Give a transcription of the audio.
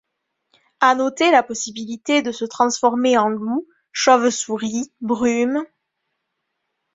À noter la possibilité de se transformer en loup, chauve-souris, brume...